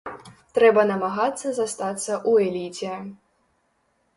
Трэба намагацца застацца ў эліце.